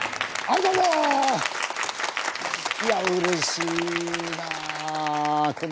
いやうれしいな。